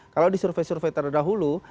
kalau di survei survei terdahulu